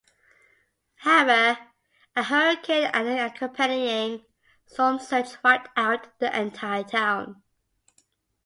However, a hurricane and the accompanying storm surge wiped out the entire town.